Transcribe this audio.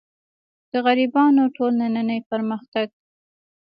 د غربیانو ټول نننۍ پرمختګ.